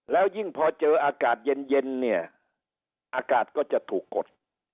แล้วยิ่งพอเจออากาศเย็นเนี่ยอากาศก็จะถูกกด